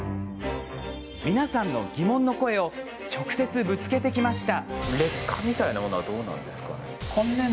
皆さんの疑問の声を直接、ぶつけてきました。